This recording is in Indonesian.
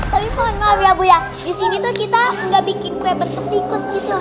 paling mohon maaf ya bu ya disini tuh kita nggak bikin kue bentuk tikus gitu